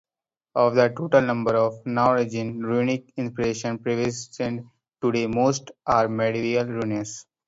Of the total number of Norwegian runic inscriptions preserved today, most are medieval runes.